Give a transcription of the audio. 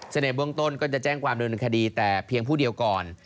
เสน่ห์บวงต้นก็จะแจ้งความโดยบันคดีแต่เพียงผู้เดียวก่อน